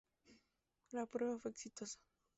La prueba fue exitosa.